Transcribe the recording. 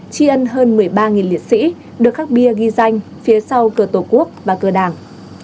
chi ân hơn một mươi ba liệt sĩ được khắc bia ghi danh phía sau cờ tổ quốc và cờ đảng